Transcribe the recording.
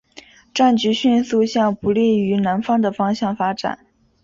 战局迅速向不利于南方的方向发展。